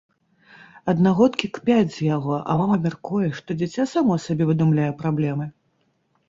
Аднагодкі кпяць з яго, а мама мяркуе, што дзіця само сабе выдумляе праблемы.